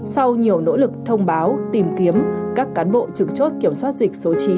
sau nhiều nỗ lực thông báo tìm kiếm các cán bộ trực chốt kiểm soát dịch số chín